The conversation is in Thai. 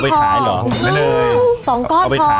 อุ๊ยตำเองก็ได้